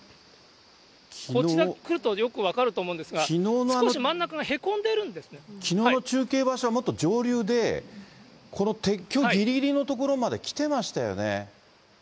こちらに来るとよく分かると思うんですが、少し真ん中がへこんできのうの中継場所はもっと上流で、この鉄橋ぎりぎりの所まで来てましたよね。